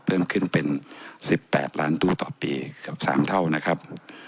เพิ่มขึ้นเป็น๑๘ล้านตู้ต่อปีเกือบ๓เท่านะครับ